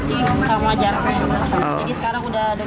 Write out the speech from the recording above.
ini sama jaraknya jadi sekarang sudah tujuh ratus tiga puluh tiga